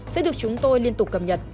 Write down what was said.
sẽ được chúng tôi liên tục cập nhật